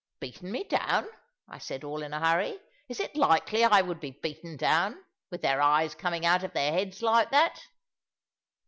"Beaten me down!" I said, all in a hurry; "is it likely I would be beaten down, with their eyes coming out of their heads like that?"